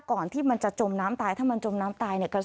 ก่อนที่มันจะจมน้ำตายถ้ามันจมน้ำตายเนี่ย